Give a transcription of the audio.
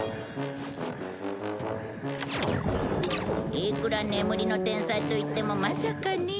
いくら眠りの天才といってもまさかねえ。